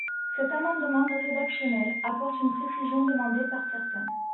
Cet amendement rédactionnel apporte une précision demandée par certains.